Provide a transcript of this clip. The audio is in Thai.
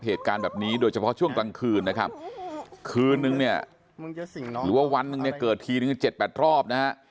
เหตุการณ์แบบนี้โดยเฉพาะช่วงกลางคืนนะครับคืนนึงเนี่ยหรือว่าวันหนึ่งเนี่ยเกิดทีนึง๗๘รอบนะฮะ